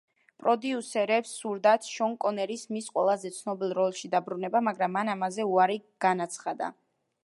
პროდიუსერებს სურდათ შონ კონერის მის ყველაზე ცნობილ როლში დაბრუნება, მაგრამ მან ამაზე უარი განაცხადა.